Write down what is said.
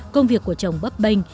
công việc của chồng bấp bình